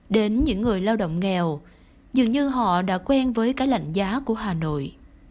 đến những người lao động nghèo dường như họ đã quen với cái lạnh giá của hà nội